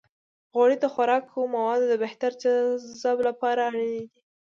غوړې د خوراکي موادو د بهتر جذب لپاره اړینې دي.